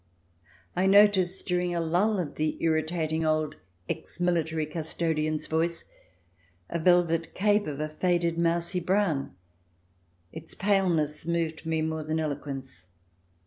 I noticed during a lull of the irritating old ex military custodian's voice a velvet cape, of a faded, mousy brown. Its paleness moved me more than eloquence.